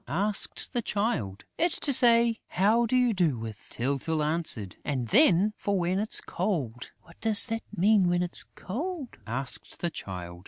asked the Child. "It's to say How do you do with," Tyltyl answered. "And then for when it's cold...." "What does that mean, when it's cold?" asked the Child.